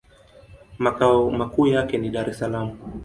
Makao makuu yake ni Dar-es-Salaam.